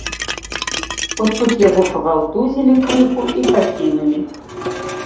От тут яго павалтузілі крыху і пакінулі.